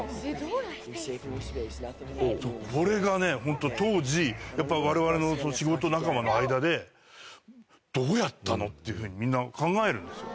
これがねホント当時やっぱわれわれの仕事仲間の間で。っていうふうにみんな考えるんですよ。